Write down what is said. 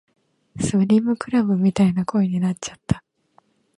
スリムクラブみたいな声になっちゃった